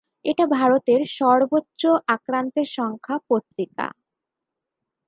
এটা ভারত এর সর্বোচ্চ আক্রান্তের সংখ্যা পত্রিকা।